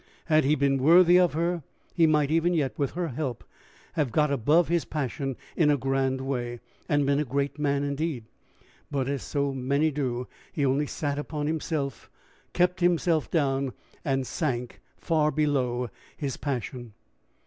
Had he been worthy of her, he might even yet, with her help, have got above his passion in a grand way, and been a great man indeed. But, as so many do, he only sat upon himself, kept himself down, and sank far below his passion.